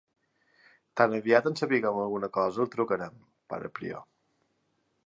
Tan aviat en sapiguem alguna cosa el trucarem, pare prior.